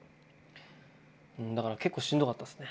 だから結構しんどかったですね